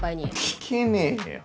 聞けねえよ。